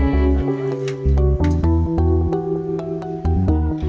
peminatnya dia sudah selesai